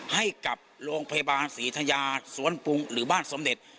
ให้กับโรงพยาบาลศรีธยาสวนปรุงหรือบ้านสมเด็จ